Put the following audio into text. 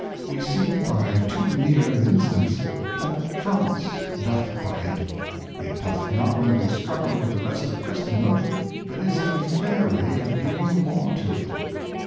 We see by too near an Instance, what France doth by it ; it doth not only struggle with the rest of Christendom, but is in a fair way of giving Law to it.